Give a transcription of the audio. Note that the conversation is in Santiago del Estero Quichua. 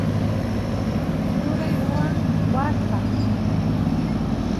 turay ruwan waska